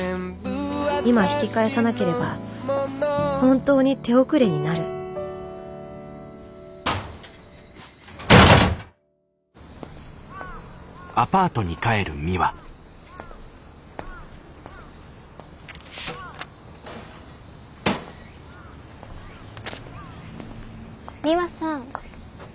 今引き返さなければ本当に手遅れになるミワさん。